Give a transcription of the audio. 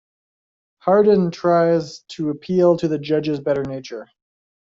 Harden tries to appeal to the judge's better nature.